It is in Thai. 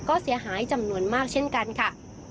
ก็เสียหายจำนวนมากเช่นกันค่ะ